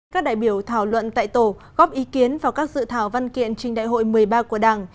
các đại biểu thảo luận tại tổ góp ý kiến vào các dự thảo văn kiện trình đại hội một mươi ba của đảng